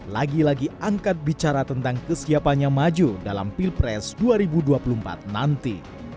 lagi lagi angkat bicara tentang kesiapannya maju dalam pilpres dua ribu dua puluh empat nanti